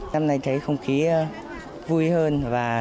năm nay thấy không khí vui hơn